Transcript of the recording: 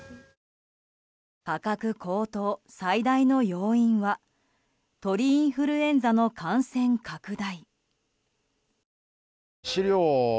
価格高騰最大の要因は鳥インフルエンザの感染拡大。